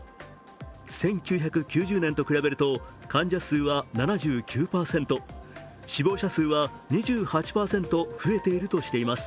１９９０年と比べると患者数は７９％、死亡者数は２８％増えているとしています。